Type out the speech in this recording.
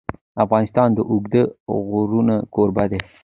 افغانستان د اوږده غرونه کوربه دی.